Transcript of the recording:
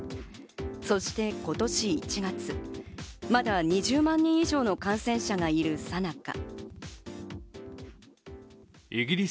そして今年１月、まだ２０万人以上の感染者がいるさなか。